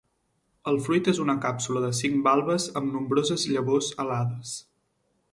El fruit és una càpsula de cinc valves amb nombroses llavors alades.